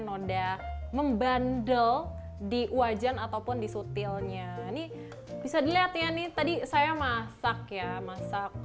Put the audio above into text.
noda membandel di wajan ataupun di sutilnya ini bisa dilihat ya nih tadi saya masak ya masak